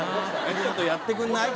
ちょっとやってくれない？